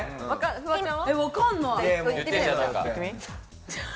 フワちゃん。